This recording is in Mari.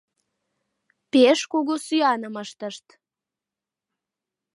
Пеш кугу сӱаным ыштышт.